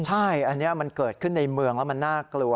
ใช่อันนี้มันเกิดขึ้นในเมืองแล้วมันน่ากลัว